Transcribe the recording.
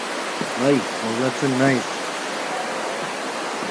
Bai, moldatzen naiz.